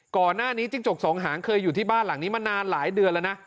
ก่อนหน้านี้จิ้งจกสองหางเคยอยู่ที่บ้านหลังนี้มานานหลายเดือนแล้วนะ